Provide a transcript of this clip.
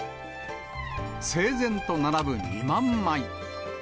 整然と並ぶ２万枚。